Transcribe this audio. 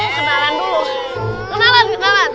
kenalan dulu kenalan kenalan